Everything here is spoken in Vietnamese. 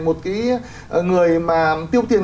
một cái người mà tiêu tiền